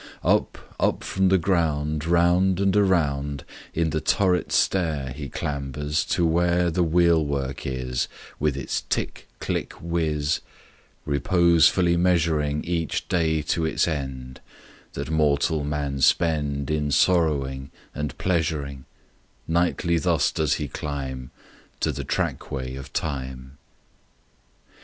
Up, up from the ground Around and around In the turret stair He clambers, to where The wheelwork is, With its tick, click, whizz, Reposefully measuring Each day to its end That mortal men spend In sorrowing and pleasuring Nightly thus does he climb To the trackway of Time.